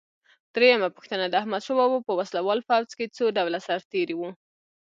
درېمه پوښتنه: د احمدشاه بابا په وسله وال پوځ کې څو ډوله سرتیري وو؟